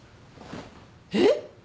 えっ！？